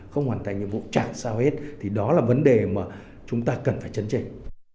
không hoàn thành nhiệm vụ trả sao hết thì đó là vấn đề mà chúng ta cần phải chấn trình